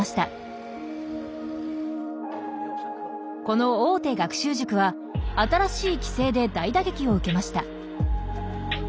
この大手学習塾は新しい規制で大打撃を受けました。